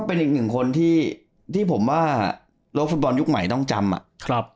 เป็นอีกหนึ่งคนที่ที่ผมว่าโลกฟุตบอลยุคใหม่ต้องจำอ่ะครับ